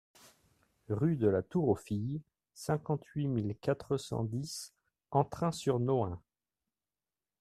Rue de la Tour aux Filles, cinquante-huit mille quatre cent dix Entrains-sur-Nohain